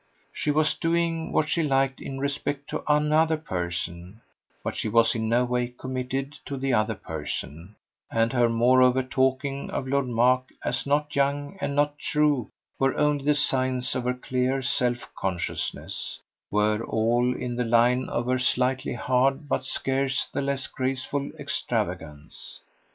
She was doing what she liked in respect to another person, but she was in no way committed to the other person, and her moreover talking of Lord Mark as not young and not true were only the signs of her clear self consciousness, were all in the line of her slightly hard but scarce the less graceful extravagance.